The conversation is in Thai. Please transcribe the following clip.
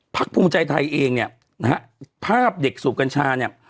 ภูมิใจไทยเองเนี่ยนะฮะภาพเด็กสูบกัญชาเนี่ย